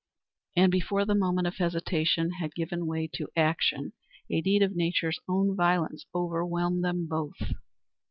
And before the moment of hesitation had given way to action a deed of Nature's own violence overwhelmed them both.